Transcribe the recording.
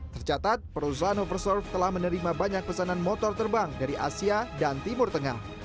tercatat perusahaan oversurve telah menerima banyak pesanan motor terbang dari asia dan timur tengah